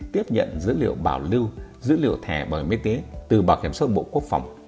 tiếp nhận dữ liệu bảo lưu dữ liệu thẻ bảo hiểm y tế từ bảo hiểm xã hội bộ quốc phòng